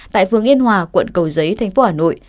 tại phường yên hòa quận cầu giấy tp hà nội